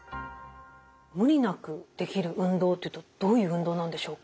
無理なくできる運動ってどういう運動なんでしょうか？